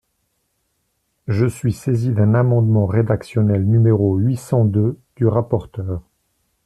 Je suis saisi d’un amendement rédactionnel numéro huit cent deux du rapporteur.